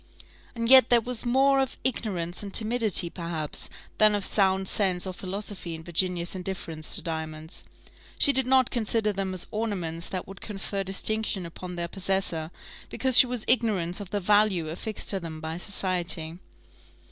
And yet there was more of ignorance and timidity, perhaps, than of sound sense or philosophy in Virginia's indifference to diamonds; she did not consider them as ornaments that would confer distinction upon their possessor, because she was ignorant of the value affixed to them by society.